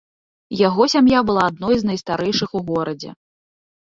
Яго сям'я была адной з найстарэйшых у горадзе.